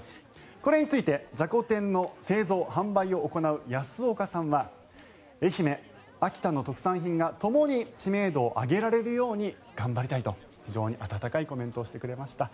これについてじゃこ天の製造・販売を行う安岡さんは愛媛、秋田の特産品がともに知名度を上げられるように頑張りたいと非常に温かいコメントをしてくれました。